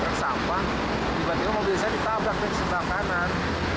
saya habis melewati truk sampah tiba tiba mobil saya ditabrak dari sebelah kanan